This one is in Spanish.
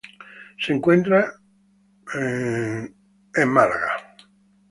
Se encuentra en la Iglesia de Santo Domingo de Guzmán de Málaga.